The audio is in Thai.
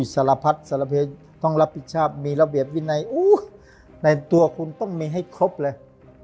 ศรภัทร์ศรภเทศต้องรับผิดชาติมีระเบียดวินัยในตัวคุณต้องมีให้ครบเลย